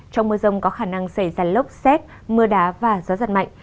trong mưa rông có khả năng xảy ra lốc xét mưa đá và gió giật mạnh